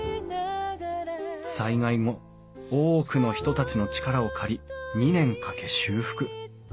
災害後多くの人たちの力を借り２年かけ修復。